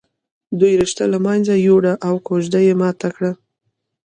دوی رشته له منځه ويوړه او کوژده یې ماته کړه